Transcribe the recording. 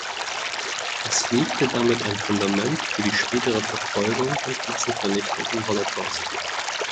Es legte damit ein Fundament für die spätere Verfolgung und Massenvernichtung im Holocaust.